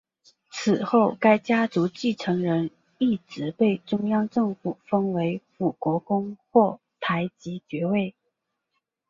此后该家族继承人一直被中央政府封为辅国公或台吉爵位。